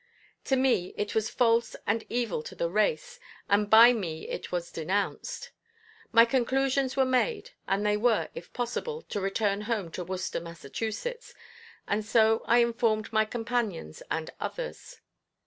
To me it was false and evil to the race, and by me it was denounced. My conclusions were made and they were, if possible, to return home to Worcester, Mass., and so I informed my companions and others.